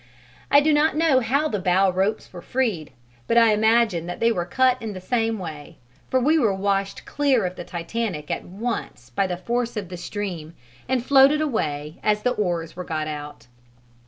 I do not know how the bow ropes were freed, but imagine that they were cut in the same way, for we were washed clear of the Titanic at once by the force of the stream and floated away as the oars were got out.